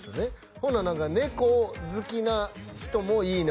ほな何か猫好きな人も「いいね」